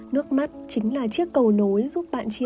nước mắt chính là chiếc cầu nối giúp bạn chia sẻ